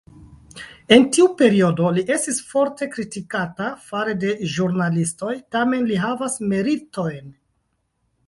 En tiu periodo li estis forte kritikita fare de ĵurnalistoj, tamen li havas meritojn.